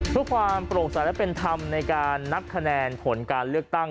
เพื่อความโปร่งใสและเป็นธรรมในการนับคะแนนผลการเลือกตั้ง